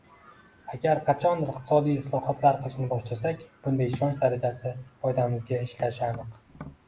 Agar qachondir iqtisodiy islohotlar qilishni boshlasak, bunday ishonch darajasi foydamizga ishlashi aniq.